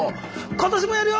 「今年もやるよ！